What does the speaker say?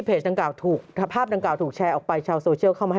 ดังกล่าถูกภาพดังกล่าถูกแชร์ออกไปชาวโซเชียลเข้ามาให้